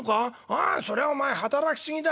ああそりゃお前働き過ぎだ。